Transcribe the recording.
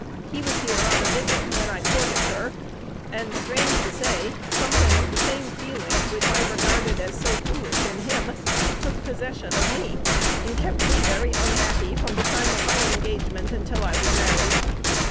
He was here on a visit when I courted her; and, strange to say, something of the same feeling which I regarded as so foolish in him took possession of me, and kept me very unhappy from the time of my engagement until I was married.